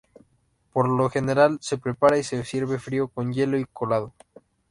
Por lo general se prepara y se sirve frío con hielo y colado.